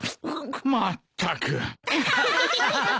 まったく。